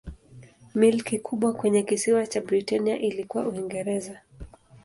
Milki kubwa kwenye kisiwa cha Britania ilikuwa Uingereza.